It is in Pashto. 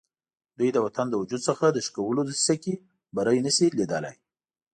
دوی د وطن د وجود څخه د شکولو دسیسه کې بری نه شي لیدلای.